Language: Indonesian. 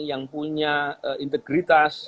yang punya integritas